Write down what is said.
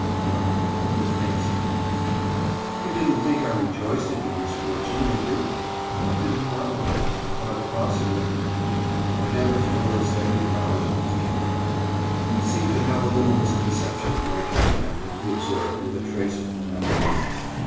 Firmly, but with faint surprise. "You didn't think I rejoiced at your misfortune, did you?" "I didn't know. I thought it possible." The hammer thrower's heavy brows drew together. "You seem to have a little misconception of my character," he observed with a trace of formality.